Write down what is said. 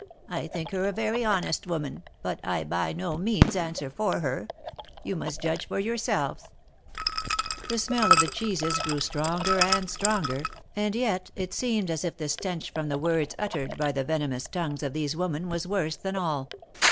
" I think her a very honest woman, but I by no means answer for her; you must judge for yourselves." The smell of the cheeses grew stronger and stronger, and yet it seemed as if the stench from the words uttered THE MARKETS OF PARIS. 245 by the venomous tongues of these women was worse tlian all.